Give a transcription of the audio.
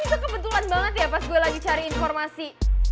itu kebetulan banget ya pas gue lagi cari informasi